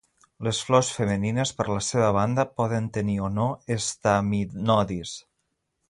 Les flors femenines, per la seva banda, poden tenir o no estaminodis.